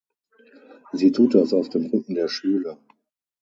Sie tut das auf dem Rücken der Schüler.